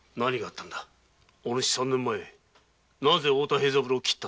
三年前なぜ太田平三郎を斬った？